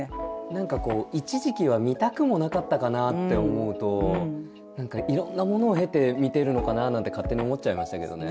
何かこう一時期は見たくもなかったかなって思うといろんなものを経て見てるのかななんて勝手に思っちゃいましたけどね。